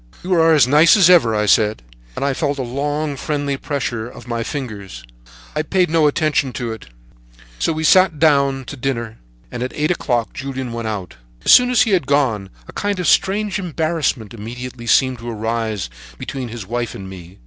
"'You are as nice as ever, I said, and I felt a long, friendly pressure of my fingers, but I paid no attention to it; so we sat down to dinner, and at eight o'clock Julien went out. "As soon as he had gone, a kind of strange embarrassment immediately seemed to arise between his wife and me.